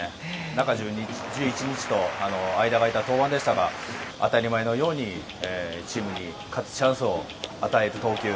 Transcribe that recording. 中１１日と間が空いた登板でしたが当たり前のようにチームに勝つチャンスを与える投球。